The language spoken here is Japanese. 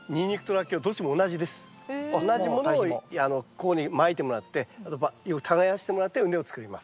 同じものをここにまいてもらってよく耕してもらって畝を作ります。